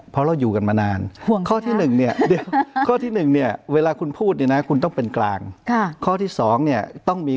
เพราะเราอยู่กันมานาน